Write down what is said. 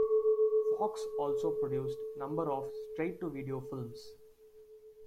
Fox also produced number of straight-to-video films.